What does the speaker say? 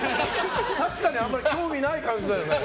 確かにあんまり興味ない感じだよね。